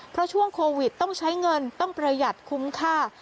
เพราะช่วงโควิดต้องใช้เงินต้องประหยัดคุ้มค่า